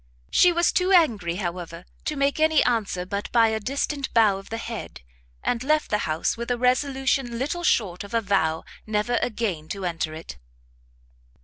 She was too angry, however, to make any answer but by a distant bow of the head, and left the house with a resolution little short of a vow never again to enter it.